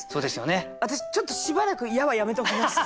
私ちょっとしばらく「や」はやめときます。